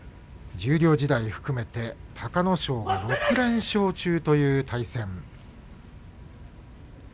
十両時代を含めて隆の勝が６連勝中という対戦成績です。